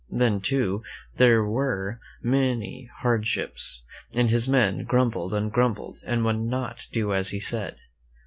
Then, too, there were many hardships, and his men grumbled and grumbled, and would not do as he said.